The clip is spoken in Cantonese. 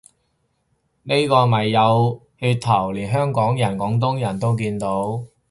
呢個咪有噱頭，連香港人廣東人都見到